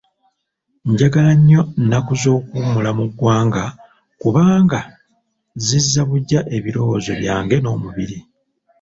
Njagala nnyo nnaku z'okuwummula mu ggwanga kubanga zizza buggya ebirowoozo byange n'omubiri.